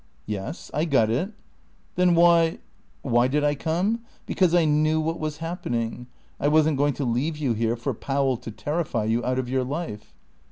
"Yes. I got it." "Then why ..." "Why did I come? Because I knew what was happening. I wasn't going to leave you here for Powell to terrify you out of your life."